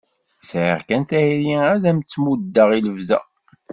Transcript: Sɛiɣ kan tayri ad am-tt-muddeɣ i lebda.